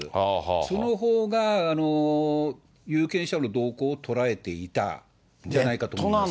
そのほうが有権者の動向を捉えていたんじゃないかと思うんです。